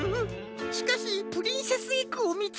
しかしプリンセスエッグをみつけませんと。